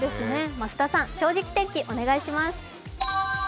増田さん、「正直天気」お願いします。